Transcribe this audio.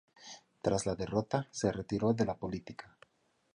Tras la derrota, se retiró de la política.